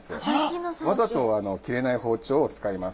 わざと切れない包丁を使います。